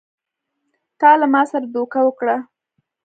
تا له ما سره دوکه وکړه!